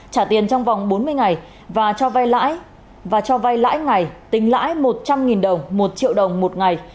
trả tiền trong vòng bốn mươi ngày và cho vay lãi ngày tính lãi một trăm linh đồng một triệu đồng một ngày